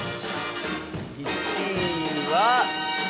１位は。